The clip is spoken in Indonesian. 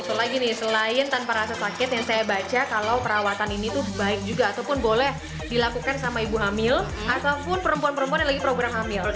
satu lagi nih selain tanpa rasa sakit yang saya baca kalau perawatan ini tuh baik juga ataupun boleh dilakukan sama ibu hamil ataupun perempuan perempuan yang lagi program hamil